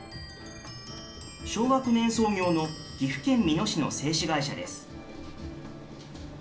昭和９年創業の岐阜県美濃市の製紙会社です。